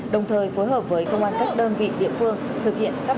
đồng thời phối hợp với công an các đơn vị địa phương thực hiện các biện pháp trao trả